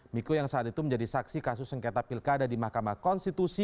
miko yang saat itu menjadi saksi kasus sengketa pilkada di mahkamah konstitusi